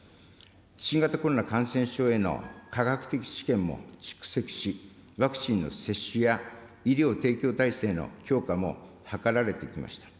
新型コロナ感染症への科学的知見も蓄積し、ワクチンの接種や医療提供体制の強化も図られてきました。